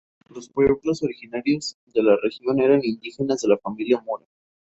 Los pueblos originarios de la región eran indígenas de la familia Mura.